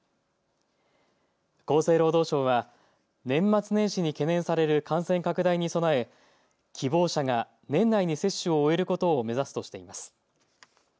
厚生労働省は年末年始に懸念される感染拡大に備え希望者が年内に接種を終えることを目指すとしています。